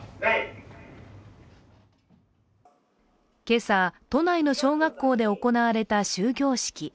けさ、都内の小学校で行われた終業式。